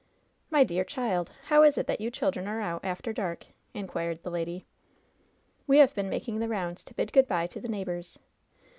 "My dear child ! how is it that you children are out, after dark ?" inquired the lady. "We have been making the rounds to bid good by to the neighbors.